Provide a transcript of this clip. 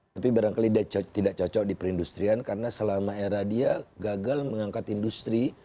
tapi barangkali tidak cocok di perindustrian karena selama era dia gagal mengangkat industri